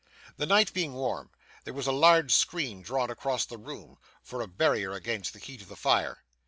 The night being warm, there was a large screen drawn across the room, for a barrier against the heat of the fire.